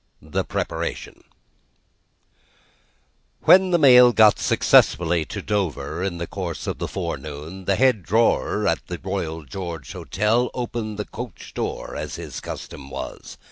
The Preparation When the mail got successfully to Dover, in the course of the forenoon, the head drawer at the Royal George Hotel opened the coach door as his custom was.